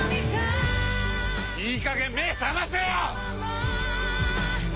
「いいかげん目覚ませよ！」